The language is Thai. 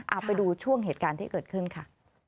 เอาไปดูช่วงเหตุการณ์ที่เกิดขึ้นค่ะ